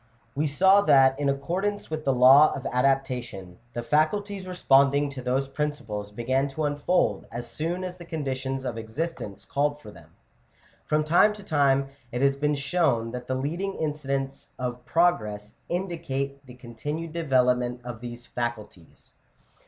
We saw that in accordance with the law of adaptation, the faculties responding to those principles began to unfold as soon as the conditions of existence called Digitized by VjOOQIC SUMMARY. 461 for them. From time to time it has been shown that the leading incidents of progress indicate the continued develop ment of these faculties.